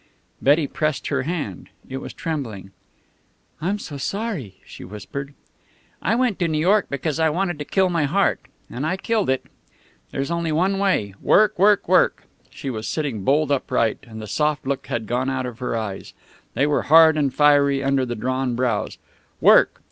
Betty pressed her hand. It was trembling. "I'm so sorry," she whispered. "I went to New York because I wanted to kill my heart. And I killed it. There's only one way. Work! Work! Work!" She was sitting bolt upright, and the soft look had gone out of her eyes. They were hard and fiery under the drawn brows. "Work!